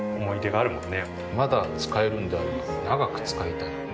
まだ使えるんであれば長く使いたい。